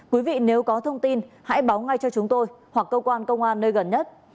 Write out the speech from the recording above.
quý vị nếu có thông tin hãy báo ngay cho chúng tôi hoặc cơ quan công an nơi gần nhất